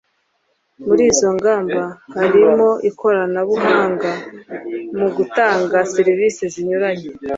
Muri izo ngamba harimo ikoranabuhanga mu gutanga serivisi zinyuranye